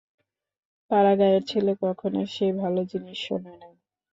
পাড়াগাঁয়ের ছেলে কখনও সে ভালো জিনিস শোনে নাই।